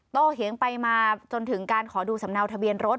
เถียงไปมาจนถึงการขอดูสำเนาทะเบียนรถ